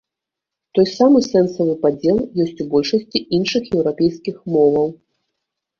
Той самы сэнсавы падзел ёсць у большасці іншых еўрапейскіх моваў.